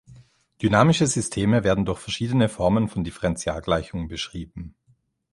Dynamische Systeme werden durch verschiedene Formen von Differentialgleichungen beschrieben.